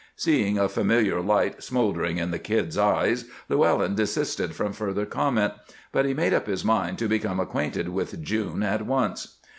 Seeing a familiar light smoldering in the Kid's eyes, Llewellyn desisted from further comment, but he made up his mind to become acquainted with June at once.